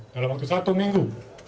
dalam waktu satu minggu